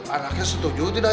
anaknya setuju tidak